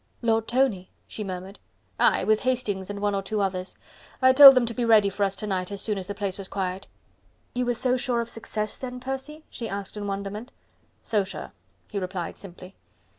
"Lord Tony?" she murmured. "Aye! with Hastings and one or two others. I told them to be ready for us to night as soon as the place was quiet." "You were so sure of success then, Percy?" she asked in wonderment. "So sure," he replied simply.